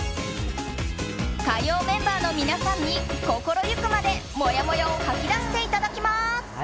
火曜メンバーの皆さんに心行くまでもやもやを吐き出していただきます。